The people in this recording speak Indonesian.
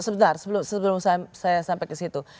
sebentar sebelum saya sampai ke situ